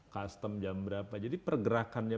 custom jam berapa jadi pergerakannya